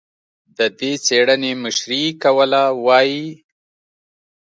د دې څېړنې مشري یې کوله، وايي